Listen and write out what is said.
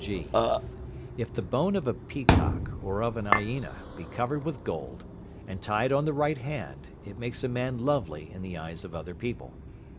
(g). If the bone of a peacock or of an hyena be covered with gold, and tied on the right hand, it makes a man lovely in the eyes of other people.